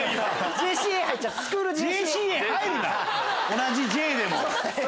同じ「Ｊ」でも。